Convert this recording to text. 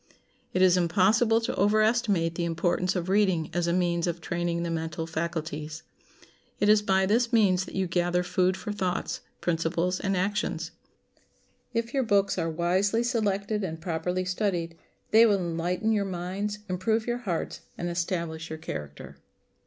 It is impossible to overestimate the importance of reading as a means of training the mental faculties. It is by this means that you gather food for thoughts, principles, and actions. If your books are wisely selected and properly studied, they will enlighten your minds, improve your hearts, and establish your character.